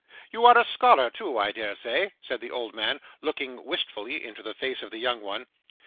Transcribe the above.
You are a scholar too, I dare say?' said the old man, looking wistfully into the face of the young one.